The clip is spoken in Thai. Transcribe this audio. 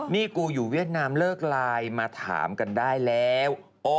นี่กูอยู่เวียดนามเลิกไลน์มาถามกันได้แล้ว